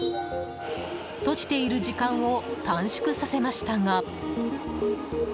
閉じている時間を短縮させましたが。